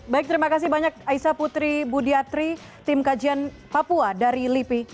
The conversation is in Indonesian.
baik terima kasih banyak aisa putri budiatri tim kajian papua dari lipi